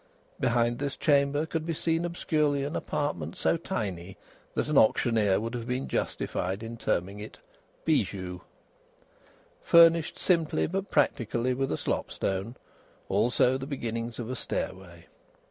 Behind this chamber could be seen obscurely an apartment so tiny that an auctioneer would have been justified in terming it "bijou," Furnished simply but practically with a slopstone; also the beginnings of a stairway.